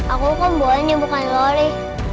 aku kan buahnya bukan lelis